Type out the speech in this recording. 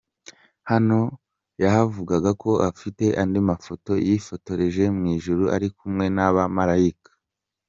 Hano yavugaga ko afite andi mafoto yifotoreje mu ijuru ari kumwe n'abamalayika.